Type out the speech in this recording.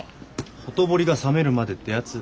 ほとぼりが冷めるまでってやつ。